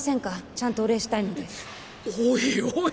ちゃんとお礼したいのでイッおいおい